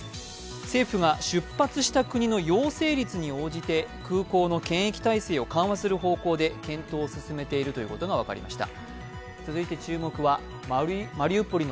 政府が出発した国の陽性率に応じて空港の検疫体制を緩和する方向で検討していることが分かりました。